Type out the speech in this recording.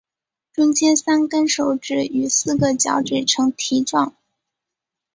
中间三跟手指与四个脚趾呈蹄状。